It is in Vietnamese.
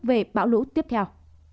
về bão lũ tiếp theo